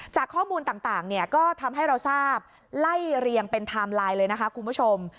จากข้อมูลต่างเนี่ยก็ทำให้เราทราบไล่เรียงเป็นไทม์ไลน์เลยนะคะคุณผู้ชม